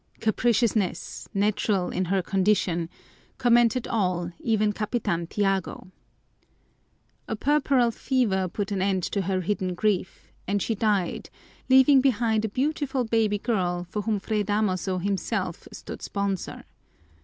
"Capriciousness, natural in her condition," commented all, even Capitan Tiago. A puerperal fever put an end to her hidden grief, and she died, leaving behind a beautiful girl baby for whom Fray Damaso himself stood sponsor.